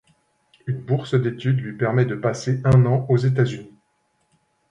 Une bourse d'étude lui permet de passer un an aux États-Unis.